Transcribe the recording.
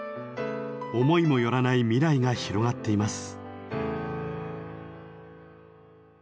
思いも寄らない未来が広がっています。